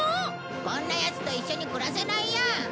こんなヤツと一緒に暮らせないよ